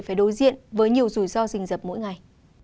phải đối diện với nhiều rủi ro dình dập mỗi ngày